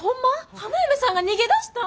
花嫁さんが逃げ出したん！？